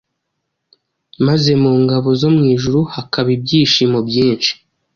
maze mu ngabo zo mu ijuru hakaba ibyishimo byinshi.